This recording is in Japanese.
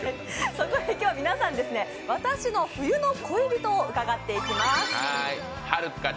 そこで皆さんに私の冬の恋人を伺っていきます。